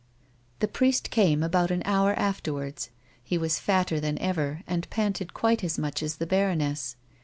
The priest came about an hour afterwards. He was fatter than ever, and panted quite as much as the baroness.